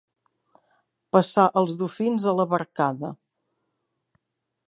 Passar els dofins a la barcada.